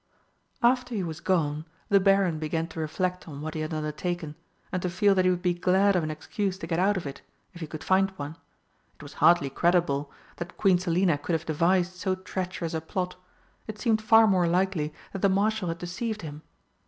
After he was gone the Baron began to reflect on what he had undertaken, and to feel that he would be glad of an excuse to get out of it, if he could find one. It was hardly credible that Queen Selina could have devised so treacherous a plot; it seemed far more likely that the Marshal had deceived him.